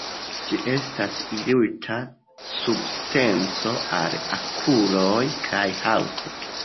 Ĝi estas irita substanco al okuloj kaj haŭto.